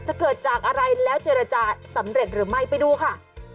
เกิดจากอะไรแล้วเจรจาสำเร็จหรือไม่ไปดูค่ะ